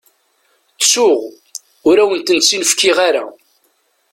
Ttuɣ, ur awent-tt-in-fkiɣ ara.